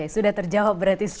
sudah terjawab berarti sekarang